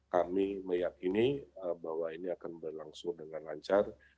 kami meyakini bahwa ini akan berlangsung dengan lancar